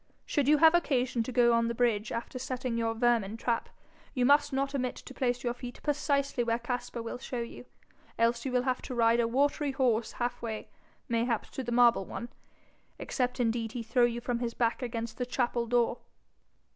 Should you have occasion to go on the bridge after setting your vermin trap, you must not omit to place your feet precisely where Caspar will show you, else you will have to ride a watery horse half way, mayhap to the marble one except indeed he throw you from his back against the chapel door.'